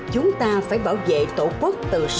chúng ta phải bảo vệ tổ quốc từ sớm từ xa